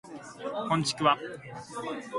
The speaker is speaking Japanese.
こんちくわ